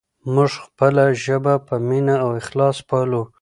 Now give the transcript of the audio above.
موږ خپله ژبه په مینه او اخلاص پالو.